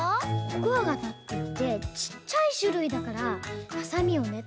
「コクワガタ」っていってちっちゃいしゅるいだからはさみをね